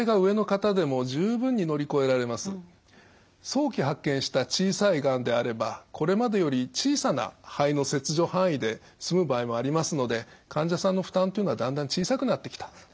早期発見した小さいがんであればこれまでより小さな肺の切除範囲で済む場合もありますので患者さんの負担というのはだんだん小さくなってきたんです。